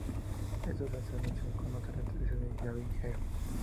Esto se hace alusión en otra entrevista con David Jaffe.